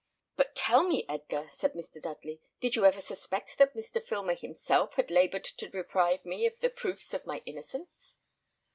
'" "But tell me, Edgar," said Mr. Dudley, "did you never suspect that Mr. Filmer himself had laboured to deprive me of the proofs of my innocence?"